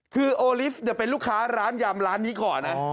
คือโอลิฟต์จะเป็นลูกค้าร้านยำร้านนี้ก่อนนะ